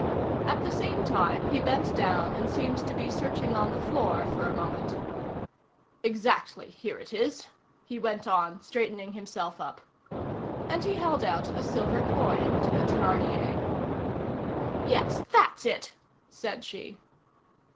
At the same time he bent down and seemed to be searching on the floor for a moment. "Exactly; here it is," he went on, straightening himself up. And he held out a silver coin to the Thénardier. "Yes, that's it," said she.